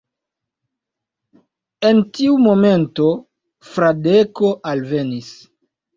En tiu momento Fradeko alvenis.